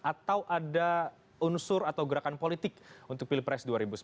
atau ada unsur atau gerakan politik untuk pilpres dua ribu sembilan belas